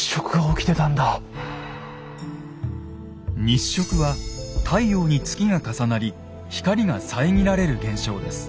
日食は太陽に月が重なり光が遮られる現象です。